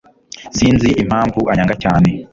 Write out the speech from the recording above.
Sinzi impamvu anyanga cyane